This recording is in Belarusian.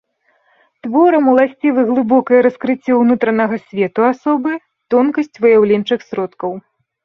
Творам уласцівы глыбокае раскрыццё ўнутранага свету асобы, тонкасць выяўленчых сродкаў.